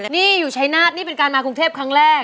นี่อยู่ชายนาฏนี่เป็นการมากรุงเทพครั้งแรก